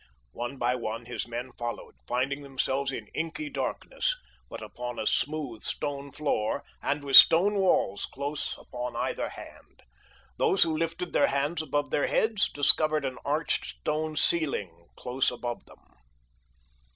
One by one his men followed, finding themselves in inky darkness, but upon a smooth stone floor and with stone walls close upon either hand. Those who lifted their hands above their heads discovered an arched stone ceiling close above them.